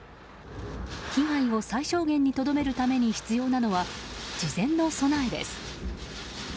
被害を最小限にとどめるために必要なのは事前の備えです。